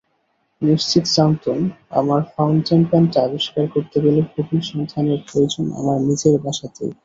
নিশ্চিত জানতুম আমার ফাউন্টেন পেনটা আবিষ্কার করতে হলে ভূগোল সন্ধানের প্রয়োজন আমার নিজের বাসাতেই।